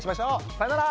さよなら。